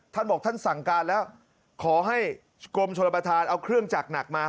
ท่านบอกท่านสั่งการแล้วขอให้กรมชนประธานเอาเครื่องจักรหนักมา